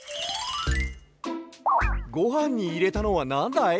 ごはんにいれたのはなんだい？